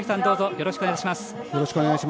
よろしくお願いします。